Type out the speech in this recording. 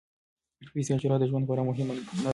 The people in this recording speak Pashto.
پیسې او شهرت د ژوند خورا مهم نه دي.